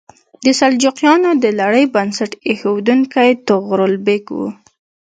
د سلجوقیانو د لړۍ بنسټ ایښودونکی طغرل بیګ و.